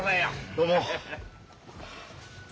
どうも。